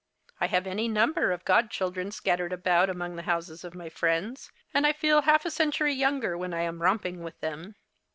I have any number of god children scattered about among the houses of my friends, and I feel lialf a century younger when I am romping witli them.